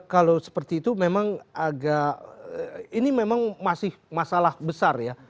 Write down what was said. kalau seperti itu memang agak ini memang masih masalah besar ya